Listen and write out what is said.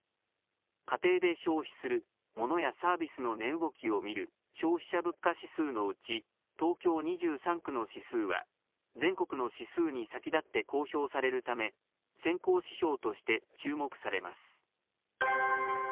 家庭で消費するモノやサービスの値動きを見る消費者物価指数のうち、東京２３区の指数は全国の指数に先立って公表されるため、先行指標として注目されます。